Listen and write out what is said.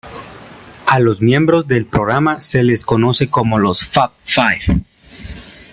A los miembros del programa se les conoce como los "Fab Five".